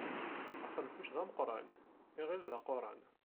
Axenfuc d ameqqṛan, iɣil d aquṛan.